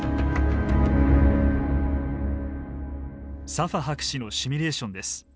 サファ博士のシミュレーションです。